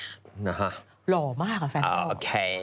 หล่อมากอ่ะแฟนเค้า